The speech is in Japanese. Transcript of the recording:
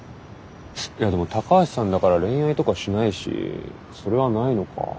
いやでも高橋さんだから恋愛とかしないしそれはないのか。